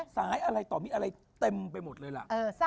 สายอะไรต่อมีอะไรเต็มไปหมดเลยล่ะ